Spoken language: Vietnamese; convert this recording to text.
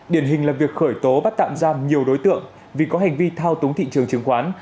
điển hình là việc khởi tố bắt tạm giam nhiều đối tượng vì có hành vi thao túng thị trường chứng khoán